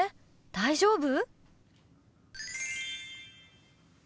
大丈夫？